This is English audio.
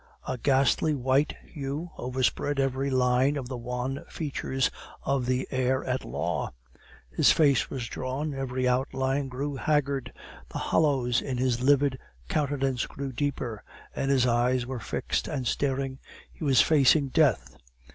A ghastly white hue overspread every line of the wan features of the heir at law. His face was drawn, every outline grew haggard; the hollows in his livid countenance grew deeper, and his eyes were fixed and staring. He was facing Death.